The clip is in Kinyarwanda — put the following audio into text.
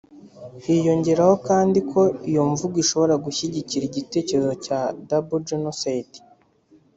Hiyongeraho kandi ko iyo mvugo ishobora gushyigikira igitekerezo cya double genocide